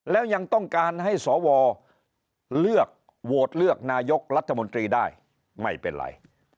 แล้วยังต้องการให้สวเลือกโหวตเลือกนายกรัฐมนตรีได้ไม่เป็นไร